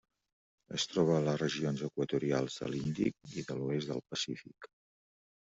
Es troba a les regions equatorials de l'Índic i de l'oest del Pacífic.